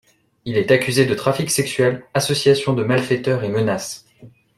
Il est accusé de trafic sexuel, association de malfaiteurs et menaces.